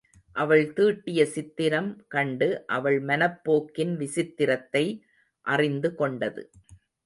அவள் தீட்டிய சித்திரம் கண்டு அவள் மனப்போக்கின் விசித்திரத்தை அறிந்து கொண்டது.